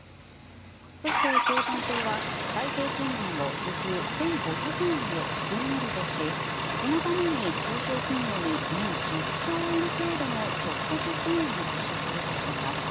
そして、共産党は最低賃金を時給１５００円へ引き上げるとしそのために中小企業に年１０兆円程度の直接支援を実施するとしています。